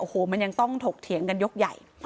โอ้โหมันยังต้องถกเถียงกันยกใหญ่